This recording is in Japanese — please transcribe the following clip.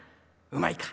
うまいか？